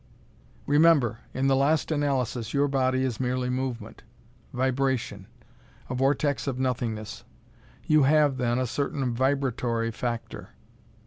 Remember, in the last analysis, your body is merely movement vibration a vortex of Nothingness. You have, then, a certain vibratory factor.